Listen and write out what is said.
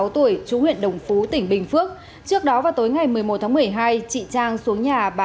hai mươi sáu tuổi chú huyện đồng phú tỉnh bình phước trước đó vào tối ngày một mươi một tháng một mươi hai chị trang xuống nhà bà